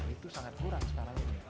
nah itu sangat kurang sekarang ini